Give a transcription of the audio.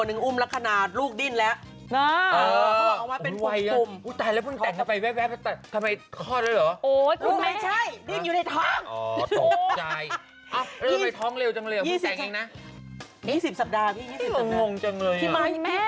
เอาไปท้องเร็วจังเลยนะ